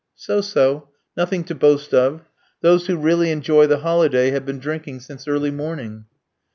"So, so. Nothing to boast of. Those who really enjoy the holiday have been drinking since early morning."